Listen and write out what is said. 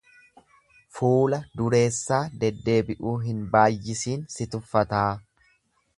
Fuula dureessaa deddeebi'uu hin baayyisiin si tuffataa.